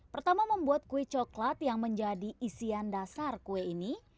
pertama membuat kue coklat yang menjadi isian dasar kue ini